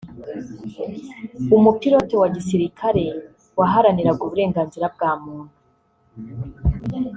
Umupilote wa gisirikare waharaniraga uburenganzira bwa muntu